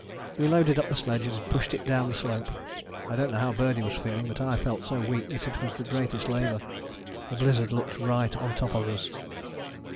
We loaded up the sledge and pushed it down the slope. I don't know how Birdie was feeling, but I felt so weak that it was the greatest labour. The blizzard looked right on top of us.